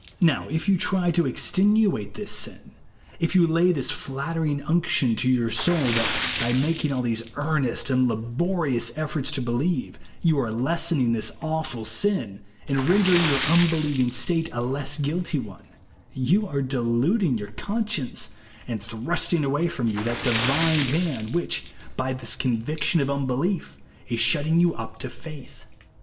Now, if you try to BELIEVE JUST NOW. IZo extenuate this sin ; if you lay this flatter ing unction to your soul, that, by making all these earnest and laborious efforts to l^elieve, you are lessening this awful sin, and rendering your unbelieving state a less guilty one ; you are deluding your conscience, and thrusting away from you that divine hand which, by this convic tion of unbelief, is shutting you up to faith.